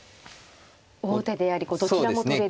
王手でありどちらも取れると。